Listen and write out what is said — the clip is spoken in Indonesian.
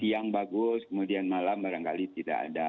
siang bagus kemudian malam barangkali tidak ada